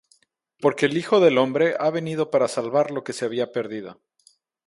Porque el Hijo del hombre ha venido para salvar lo que se había perdido.